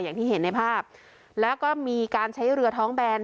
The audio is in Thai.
อย่างที่เห็นในภาพแล้วก็มีการใช้เรือท้องแบน